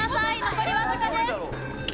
残りわずかです。